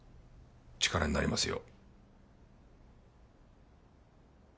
力になりますよ。